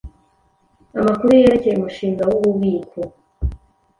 Amakuru yerekeye Umushinga wububiko